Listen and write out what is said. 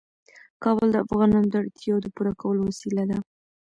کابل د افغانانو د اړتیاوو د پوره کولو وسیله ده.